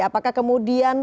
apakah kemudian ada vaksin lain